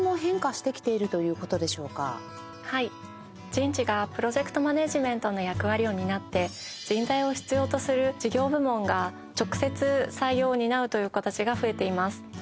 人事がプロジェクトマネジメントの役割を担って人材を必要とする事業部門が直接採用を担うという形が増えています。